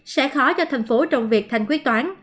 sẽ khó cho thành phố trong việc thành quyết toán